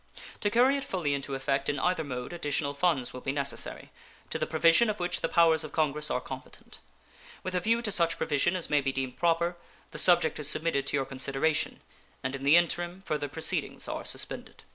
To carry it fully into effect in either mode additional funds will be necessary, to the provision of which the powers of Congress are competent. With a view to such provision as may be deemed proper, the subject is submitted to your consideration, and in the interim further proceedings are suspended.